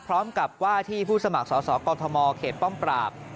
พร้อมกับว่าที่ผู้สมัครสอสอกอทมเขตป้องปราบ